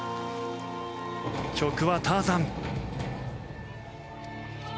曲は「ターザン」。